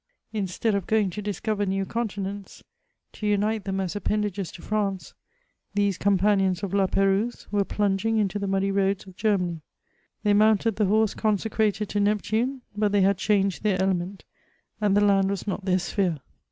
Instead of going to discover new continents, to unite them as appendages to France^ these companions of La P^rouse were plunging into the mudd)^ roads of Germany. They mounted the horse consecrated to Neptune, but they had changed their element, and the land was not their sphere.